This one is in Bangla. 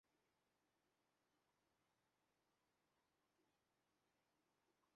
এছাড়া, তিনি পঞ্চদশ লোকসভা নির্বাচনে বনগাঁ লোকসভা কেন্দ্রের লোকসভা সদস্য হিসেবে নির্বাচিত হয়েছিলেন।